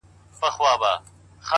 علم د ژوند لاره اسانه کوي،